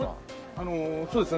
あのそうですね。